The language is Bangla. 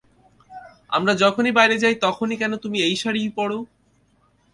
আমরা যখনই বাইরে যাই তখনই কেন তুমি এই শাড়িই পরো?